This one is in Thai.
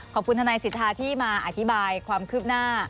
ขอบคุณธนัยสิทธาที่มาอธิบายความคืบหน้า